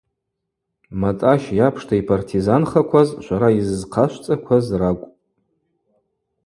Матӏащ йапшта йпартизанхакваз швара йыззхъашвцӏакваз ракӏвпӏ.